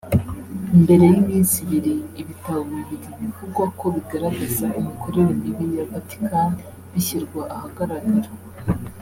mbere y’iminsi ibiri ibitabo bibiri bivugwa ko bigaragaza imikorere mibi ya Vaticani bishyirwa ahagaragara